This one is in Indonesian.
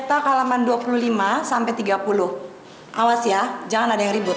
awas ya jangan ada yang ribut